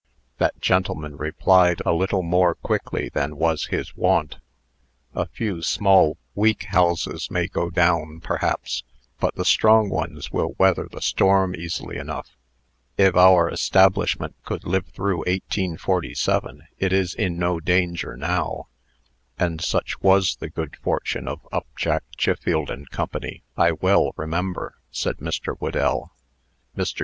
That gentleman replied, a little more quickly than was his wont: "A few small, weak houses may go down, perhaps, but the strong ones will weather the storm easy enough. If our establishment could live through 1847, it is in no danger now." "And such was the good fortune of Upjack, Chiffield & Co., I well remember," said Mr. Whedell. Mr.